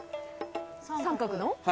三角の？